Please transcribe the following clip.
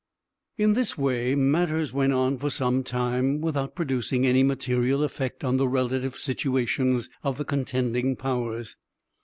In this way, matters went on for some time, without producing any material effect on the relative situations of the contending powers.